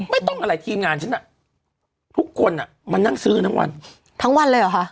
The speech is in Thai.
ไม่ต้องอะไรทีมงานฉันอ่ะทุกคนอ่ะมานั่งซื้อกันทั้งวันทั้งวันเลยเหรอคะ